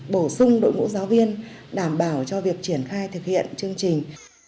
bổ sung đội ngũ giáo viên đảm bảo cho việc triển khai thực hiện chương trình